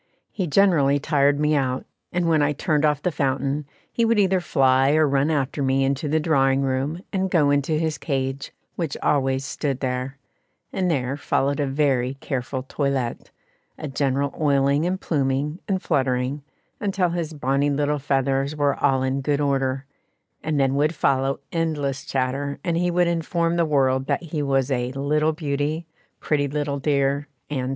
He generally tired me out, and when I turned off the fountain, he would either fly or run after me into the drawing room and go into his cage, which always stood there; and there followed a very careful toilette a general oiling and pluming and fluttering, until his bonnie little feathers were all in good order; and then would follow endless chatter, and he would inform the world that he was a "little beauty," "pretty little dear," &c.